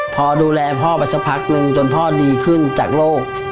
พอดูแลพ่อไปสักพักนึงจนพ่อดีขึ้นจากโรค